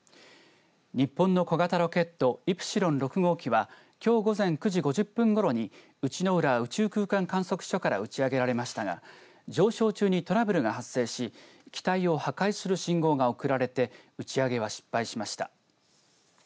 日本の小型ロケットイプシロン６号機はきょう午前９時５０分ごろに内之浦宇宙空間観測所から打ち上げられましたが上昇中にトラブルが発生し機体を破壊する信号が送られて打ち上げは失敗しました。